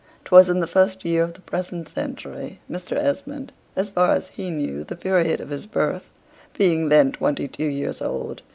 'Twas in the first year of the present century, Mr. Esmond (as far as he knew the period of his birth) being then twenty two years old.